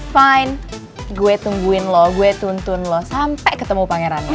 fine gue tungguin lo gue tuntun lo sampe ketemu pangerannya